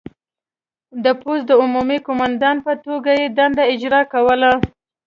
د پوځ د عمومي قوماندان په توګه یې دنده اجرا کوله.